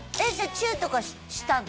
チューとかしたの？